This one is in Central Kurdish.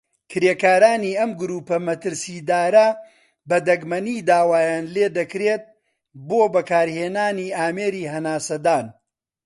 کرێکارانی ئەم گرووپە مەترسیدارە بە دەگمەنی داوایان لێدەکرێت بۆ بەکارهێنانی ئامێری هەناسەدان.